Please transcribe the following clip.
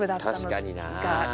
確かにな。